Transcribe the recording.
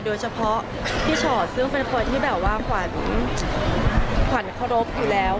โดยเฉพาะพี่ชอตซึ่งเป็นคนที่ขวัญคลบอยู่แล้ว